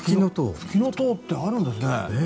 フキノトウってあるんですね。